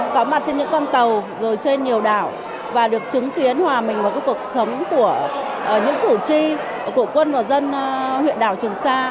có mặt trên những con tàu rồi trên nhiều đảo và được chứng kiến hòa mình với cuộc sống của những thủ tri của quân và dân